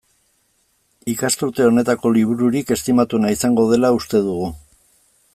Ikasturte honetako libururik estimatuena izango dela uste dugu.